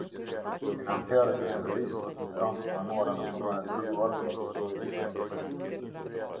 Financiare të qeverisë konsiderohen të pranuara në formën e dorëzuar nga Auditori i Përgjithshëm.